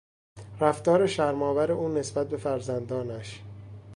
رفتار شرمآور او نسبت به فرزندانش